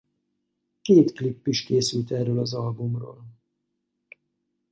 Két klip is készült erről az albumról.